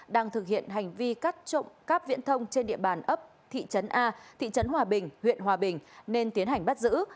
đang thực hiện hành vi cắt trộm cắp viễn thông trên địa bàn ấp thị trấn a thị trấn hòa bình huyện hòa bình nên tiến hành bắt giữ